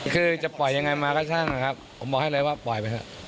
คือจะปล่อยยังไงมาก็ช่างนะครับผมบอกให้เลยว่าปล่อยไปเถอะ